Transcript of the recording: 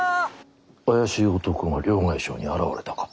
怪しい男が両替商に現れたか。